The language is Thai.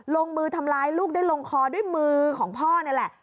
ลงมือทำร้ายลูกได้ลงคอด้วยมือของพ่อนี่แหละ